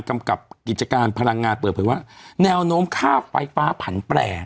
กำกับกิจการพลังงานเปิดเผยว่าแนวโน้มค่าไฟฟ้าผันแปร